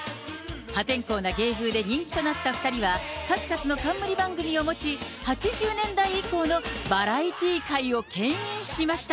破天荒な芸風で人気となった２人は、数々の冠番組を持ち、８０年代以降のバラエティー界をけん引しました。